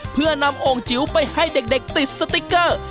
เพื่อนำโอ่งจิ๋วไปให้เด็กติดสติ๊กเกอร์